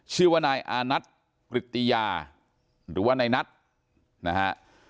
ชื่อว่านายอานัทกริตติยาหรือว่านายนัทนะฮะ